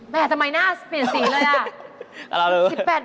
แม่ทำไมหน้าเปลี่ยนสีเลย